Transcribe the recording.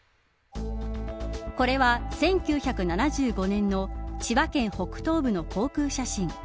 これは１９７５年の千葉県北東部の航空写真。